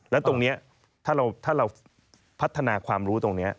แล้วตรงนี้ถ้าเราพัฒนาความรู้ตรงนี้